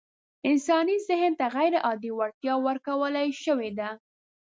انساني ذهن ته غيرعادي وړتيا ورکول شوې ده.